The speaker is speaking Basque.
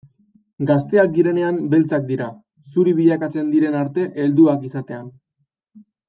Gazteak direnean beltzak dira, zuri bilakatzen diren arte helduak izatean.